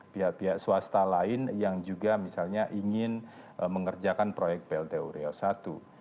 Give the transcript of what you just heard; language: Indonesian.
pihak pihak swasta lain yang juga misalnya ingin mengerjakan proyek plt uriau i